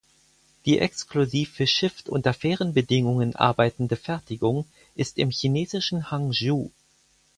Die exklusiv für Shift unter fairen Bedingungen arbeitende Fertigung ist im chinesischen Hangzhou.